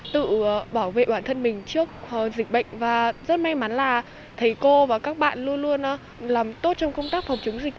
thầy cô và các bạn luôn luôn làm tốt trong công tác phòng chống dịch